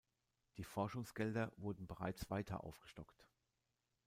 Die Forschungsgelder wurden bereits weiter aufgestockt.